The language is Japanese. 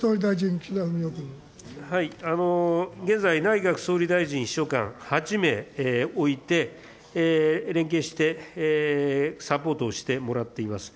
現在、内閣総理大臣秘書官、８名置いて、連携してサポートをしてもらっています。